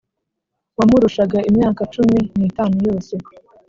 wamurushaga imyaka cumi nitanu yose